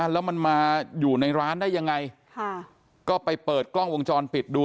แล้วมันมาอยู่ในร้านได้ยังไงก็ไปเปิดกล้องวงจรปิดดู